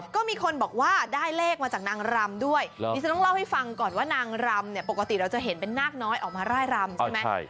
ก็มีคนบอกว่าได้เลขมาจากนางรำด้วยนี่ฉันต้องเล่าให้ฟังก่อนว่านางรำเนี่ยปกติเราจะเห็นเป็นนาคน้อยออกมาร่ายรำใช่ไหม